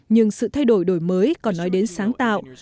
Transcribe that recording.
nhưng sự thay đổi đổi mới còn nói đến sáng tạo